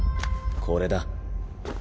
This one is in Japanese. これだ。